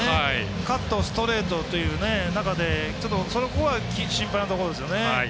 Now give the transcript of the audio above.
カット、ストレートという中でそこは心配なところですよね。